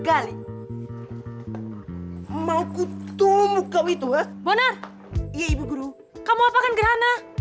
kali mau kutumuk kau itu bonar ibu guru kamu apa kan gerhana